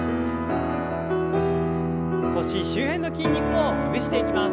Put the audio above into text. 腰周辺の筋肉をほぐしていきます。